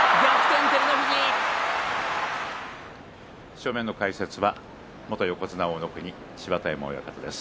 正面の解説は元横綱大乃国、芝田山親方です。